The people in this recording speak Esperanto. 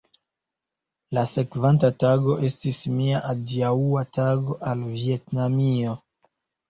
La sekvanta tago estis mia adiaŭa tago al Vjetnamio.